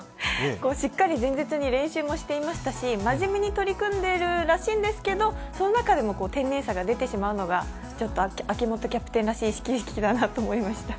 しっかり前日に練習もしていましたし真面目に取り組んでいるらしいんですけどその中でも天然さが出てしまうのが、ちょっと秋元キャプテンらしい始球式だと思いました。